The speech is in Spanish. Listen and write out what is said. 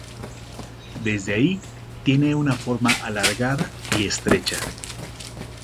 Desde ahí tiene una forma alargada y estrecha.